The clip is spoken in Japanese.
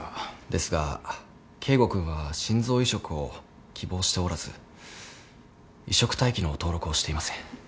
ですが圭吾君は心臓移植を希望しておらず移植待機の登録をしていません。